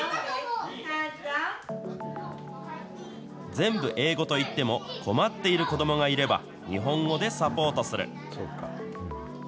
全部、英語といっても、困っている子どもがいれば、日本語でサポートする。